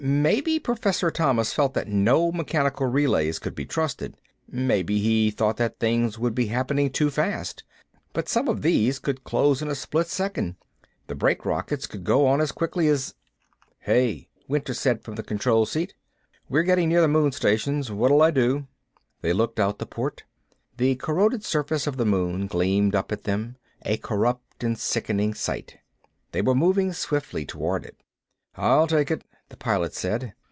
"Maybe Professor Thomas felt that no mechanical relays could be trusted. Maybe he thought that things would be happening too fast. But some of these could close in a split second. The brake rockets could go on as quickly as " "Hey," Winter said from the control seat. "We're getting near the moon stations. What'll I do?" They looked out the port. The corroded surface of the moon gleamed up at them, a corrupt and sickening sight. They were moving swiftly toward it. "I'll take it," the Pilot said.